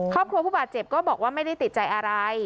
ผู้บาดเจ็บก็บอกว่าไม่ได้ติดใจอะไร